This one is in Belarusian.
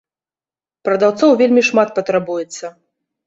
Прадаўцоў вельмі шмат патрабуецца.